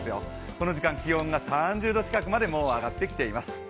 この時間、気温が３０度近くまでもう上がってきています。